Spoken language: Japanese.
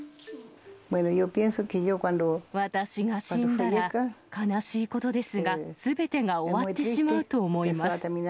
私が死んだら、悲しいことですが、すべてが終わってしまうと思います。